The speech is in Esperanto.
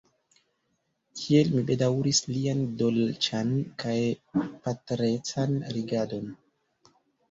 Kiel mi bedaŭris lian dolĉan kaj patrecan regadon!